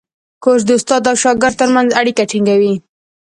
کورس د استاد او شاګرد ترمنځ اړیکه ټینګوي.